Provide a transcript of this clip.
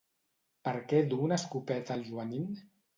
Per què du una escopeta el Joanín?